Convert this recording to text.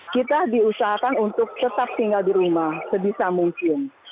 kita diusahakan untuk tetap tinggal di rumah sebisa mungkin